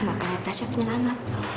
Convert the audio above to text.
makanya tasya penyelamat